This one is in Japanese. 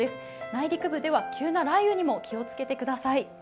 内陸部では急な雷雨にも気をつけてください。